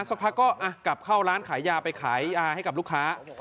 สักพักก็กลับเข้าร้านขายยาไปขายยาให้กับลูกค้า